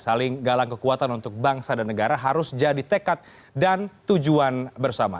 saling galang kekuatan untuk bangsa dan negara harus jadi tekad dan tujuan bersama